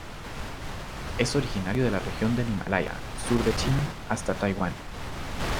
Es originario de la región del Himalaya, sur de China, hasta Taiwán.